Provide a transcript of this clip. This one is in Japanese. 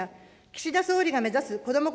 岸田総理が目指す子ども